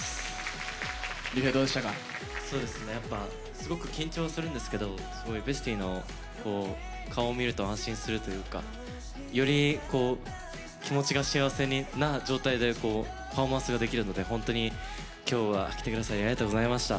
すごく緊張はするんですけどＢＥＳＴＹの顔を見ると安心するというかより気持ちが幸せな状態でパフォーマンスができるので本当に今日は来てくださりありがとうございました。